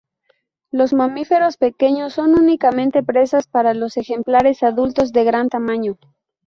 Los mamíferos pequeños son únicamente presas para los ejemplares adultos de gran tamaño.